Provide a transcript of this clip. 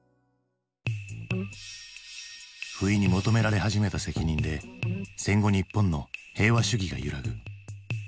不意に求められ始めた責任で戦後日本の平和主義が揺らぐ。